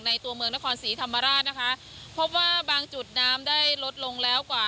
ตัวเมืองนครศรีธรรมราชนะคะพบว่าบางจุดน้ำได้ลดลงแล้วกว่า